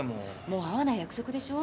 もう会わない約束でしょ？